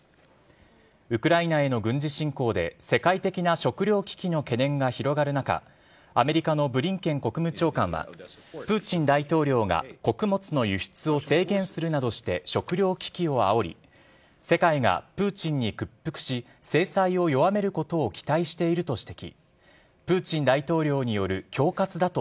ウクライナへの軍事侵攻で世界的な食糧危機の懸念が広がる中、アメリカのブリンケン国務長官は、プーチン大統領が穀物の輸出を制限するなどして食糧危機をあおり、世界がプーチンに屈服し、制裁を弱めることを期待していると指摘。